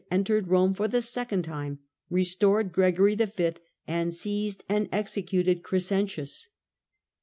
entered Eome for the second time, restored Gregory V., and seized and executed Crescentius.